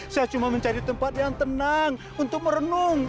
saya cuma mencari tempat yang tenang untuk merenung